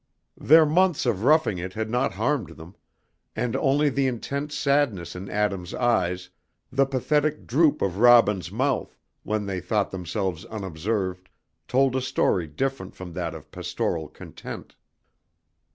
Their months of roughing it had not harmed them, and only the intense sadness in Adam's eyes, the pathetic droop of Robin's mouth, when they thought themselves unobserved, told a story different from that of pastoral content.